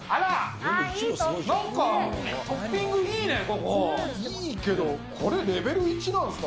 なんかトッピングいいね、いいけど、これ、レベル１なんですか？